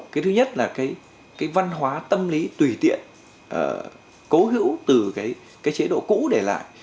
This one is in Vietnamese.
cái thứ nhất là cái văn hóa tâm lý tùy tiện cố hữu từ cái chế độ cũ để lại